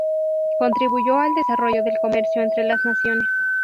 Contribuyó al desarrollo del comercio entre las naciones.